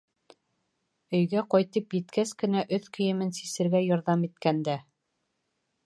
Өйгә ҡайтып еткәс кенә, өҫ кейемен сисергә ярҙам иткәндә: